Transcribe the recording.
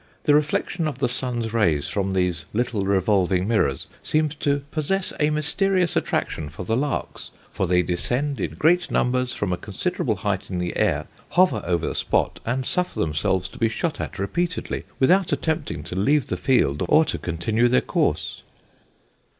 The reflection of the sun's rays from these little revolving mirrors seems to possess a mysterious attraction for the larks, for they descend in great numbers from a considerable height in the air, hover over the spot, and suffer themselves to be shot at repeatedly without attempting to leave the field or to continue their course."